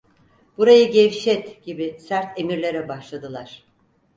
"Burayı gevşet!" gibi sert emirlere başladılar.